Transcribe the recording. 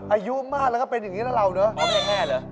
อายุมากแล้วก็เป็นอย่างนี้แหล่วเนอะน้องแห่เลย